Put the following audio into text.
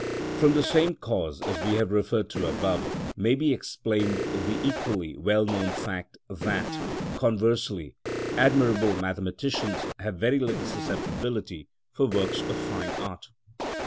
From the same cause as we have referred to above, may be explained the equally well known fact that, conversely, admirable mathematicians have very little susceptibility for works of fine art.